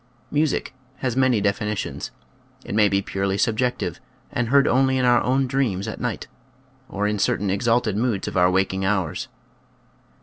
Music has many definitions. It may be purely sub jective and heard only in our own dreams at night, or in certain exalted moods of our waking hours.